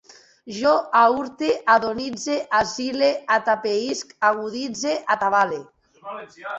Jo aürte, adonitze, asile, atapeïsc, aguditze, atabale